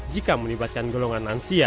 jika melibatkan golongan nansia